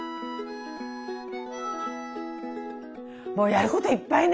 もうやることいっぱいね。